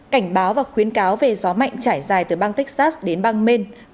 cảnh báo và khuyến cáo về gió mạnh trải dài từ bang texas đến bang maine